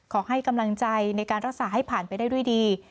ขอให้กำลังใจในการรักษาให้ผ่านไปได้ด้วยดี